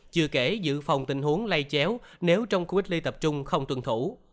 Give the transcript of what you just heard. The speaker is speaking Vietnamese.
chừa kể giữ phòng tình huống lây chéo nếu trong khu cách ly tập trung không tuân thủ